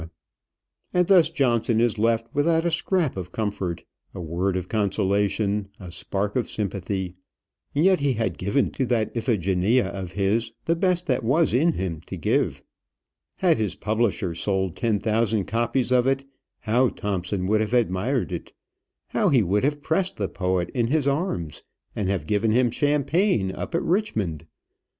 And thus Johnson is left, without a scrap of comfort, a word of consolation, a spark of sympathy; and yet he had given to that Iphigenia of his the best that was in him to give. Had his publisher sold ten thousand copies of it, how Thompson would have admired it! how he would have pressed the poet in his arms, and have given him champagne up at Richmond!